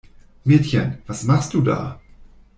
Mädchen, was machst du da?